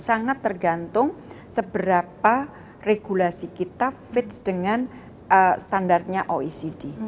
sangat tergantung seberapa regulasi kita fitch dengan standarnya oecd